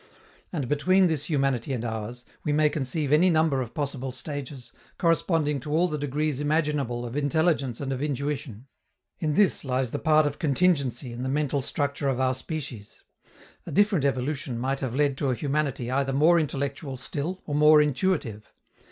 And, between this humanity and ours, we may conceive any number of possible stages, corresponding to all the degrees imaginable of intelligence and of intuition. In this lies the part of contingency in the mental structure of our species. A different evolution might have led to a humanity either more intellectual still or more intuitive.